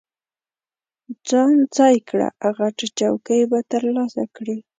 ځان ځای کړه، غټه چوکۍ به ترلاسه کړې.